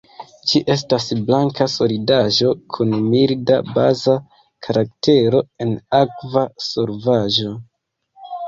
Ĝi estas blanka solidaĵo kun milda baza karaktero en akva solvaĵo.